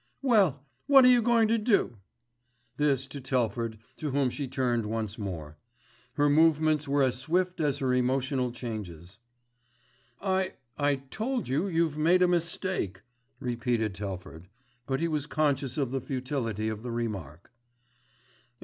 Well! What are you going to do?" This to Telford to whom she turned once more. Her movements were as swift as her emotional changes. "I—I told you you've made a mistake," repeated Telford; but he was conscious of the futility of the remark.